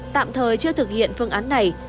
tạm thời chưa thực hiện phương án này